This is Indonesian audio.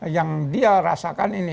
yang dia rasakan ini